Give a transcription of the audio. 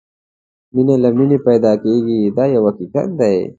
مینه له مینې پیدا کېږي دا یو حقیقت دی.